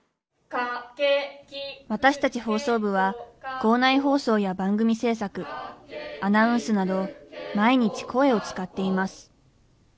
私たち放送部は校内放送や番組制作アナウンスなど毎日声を使っています。